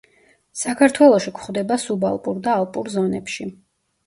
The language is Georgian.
საქართველოში გვხვდება სუბალპურ და ალპურ ზონებში.